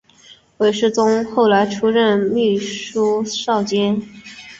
韦士宗后来出任秘书少监。